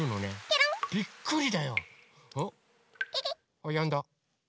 あっやんだ。